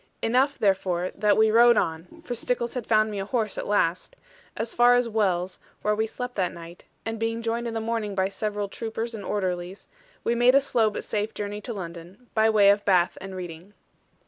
Enough, therefore, that we rode on (for Stickles had found me a horse at last) as far as Wells, where we slept that night; and being joined in the morning by several troopers and orderlies, we made a slow but safe journey to London, by way of Bath and Reading.